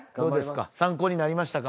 参考になりましたか？